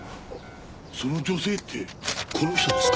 その女性ってこの人ですか？